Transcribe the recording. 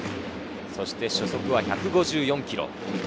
そして初速は１５４キロ。